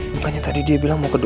bukannya tadi dia bilang mau ke dojo